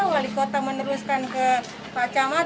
wali kota meneruskan ke pak camat